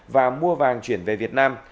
và mua vàng chuyển về việt nam